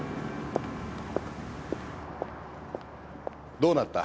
どうなった？